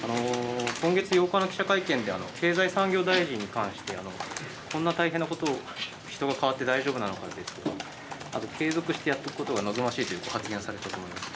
今月８日の記者会見で、経済産業大臣に関して、こんな大変なことを人が変わって大丈夫なのかですとか、あと、継続してやっていくことが望ましいというご発言されてたと思います。